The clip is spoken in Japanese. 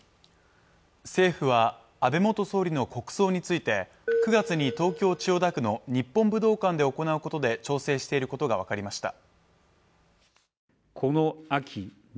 政府は安倍元総理の国葬について９月に東京千代田区の日本武道館で行うことで調整していることが分かりました